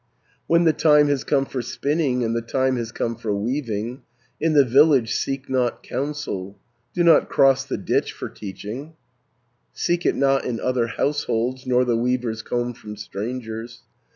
370 "When the time has come for spinning, And the time has come for weaving, In the village seek not counsel, Do not cross the ditch for teaching, Seek it not in other households, Nor the weaver's comb from strangers.